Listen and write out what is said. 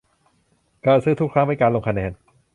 การซื้อทุกครั้งเป็นการลงคะแนน